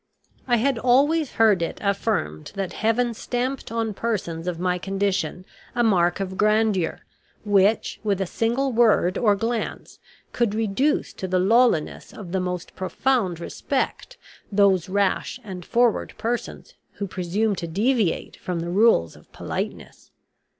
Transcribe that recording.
I had always heard it affirmed that Heaven stamped on persons of my condition a mark of grandeur, which, with a single word or glance, could reduce to the lawliness of the most profound respect those rash and forward persons who presume to deviate from the rules of politeness.